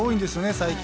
最近。